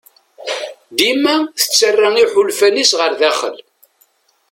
Dima tettarra iḥulfan-is ɣer daxel.